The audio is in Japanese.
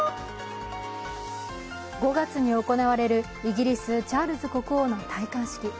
５月に行われるイギリスチャールズ国王の戴冠式。